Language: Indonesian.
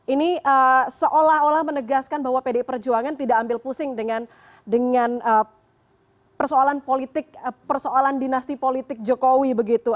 ini seolah olah menegaskan bahwa pdi perjuangan tidak ambil pusing dengan persoalan politik persoalan dinasti politik jokowi begitu